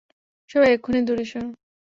সবাই, এক্ষুণি দূরে সরো!